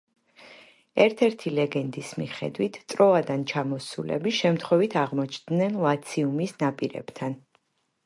ერთ-ერთი ლეგენდის მიხედვით ტროადან ჩამოსულები შემთხვევით აღმოჩდნენ ლაციუმის ნაპირებთან.